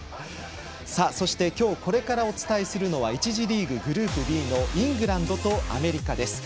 そして今日これからお伝えするのは１次リーグ、グループＢのイングランドとアメリカです。